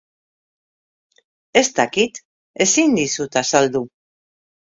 Ez dakit, ezin dizut azaldu.